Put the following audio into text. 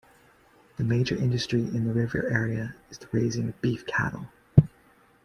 The major industry in the river area is the raising of beef cattle.